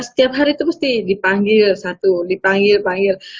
setiap hari itu pasti dipanggil